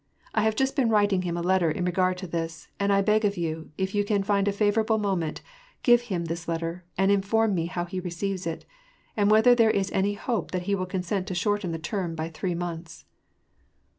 I have just been writing him a letter in regard to this, and I beg of you, if you can find a favorable moment, give him this letter, and inform me how he receives it, and whether there is any hope that he will consent to shorten the term by three months."